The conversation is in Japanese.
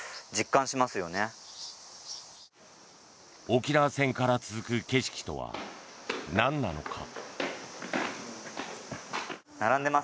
沖縄戦から続く景色とは何なのか。